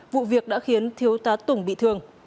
vụ việc đã khiến thiếu tá tùng bị thương